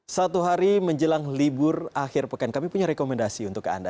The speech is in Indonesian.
satu hari menjelang libur akhir pekan kami punya rekomendasi untuk anda